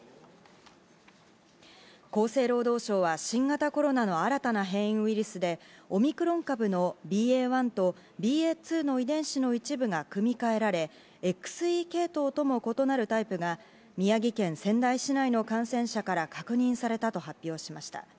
厚生労働省は新型コロナの新たな変異ウイルスで、オミクロン株のＢＡ．１とＢＡ．２の遺伝子の一部が組み換えられ、ＸＥ系統とも異なるタイプが宮城県仙台市内の感染者から確認されたと発表しました。